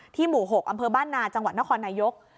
หมู่๖อำเภอบ้านนาจังหวัดนครนายก